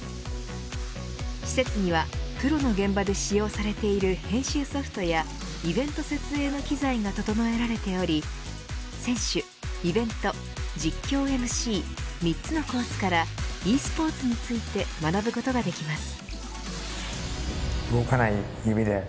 施設にはプロの現場で使用されている編集ソフトやイベント設営の機材が整えられており選手、イベント、実況・ＭＣ３つのコースからｅスポーツについて学ぶことができます。